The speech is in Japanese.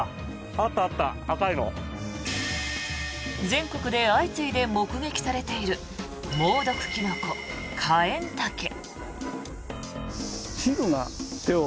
全国で相次いで目撃されている猛毒キノコ、カエンタケ。